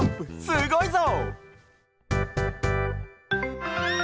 すごいぞ！